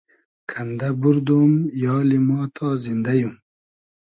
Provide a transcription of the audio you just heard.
کئندۂ بوردۉم یالی ما تا زیندۂ یوم